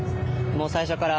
もう、最初から。